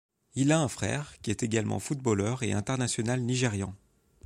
Il a un frère, qui est également footballeur et international nigérian.